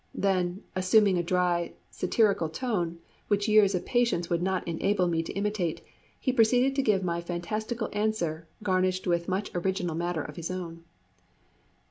Then, assuming a dry, satirical tone, which years of practice would not enable me to imitate, he proceeded to give my fantastical answer, garnished with much original matter of his own.